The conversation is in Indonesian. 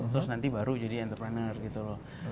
terus nanti baru jadi entrepreneur gitu loh